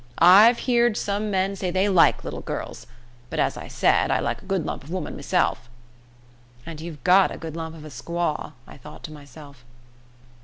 I've heerd some men say they like little girls, but, as I said, I like a good lump of a woman meself." "And you've got a good lump of a squaw," I thought to myself.